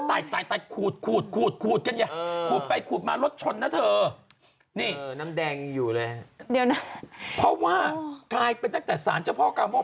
คนจะหยุดยั้งคุณเห็นรูปนี้ไหม